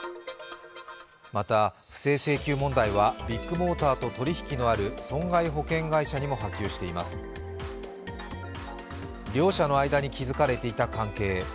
また、不正請求問題はビッグモーターと取り引きがある損害保険会社にも波及しています。両者の間に築かれていた関係。